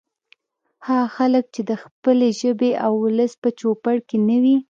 هغه خلک چې د خپلې ژبې او ولس په چوپړ کې نه وي